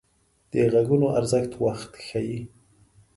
د غږونو ارزښت وخت ښيي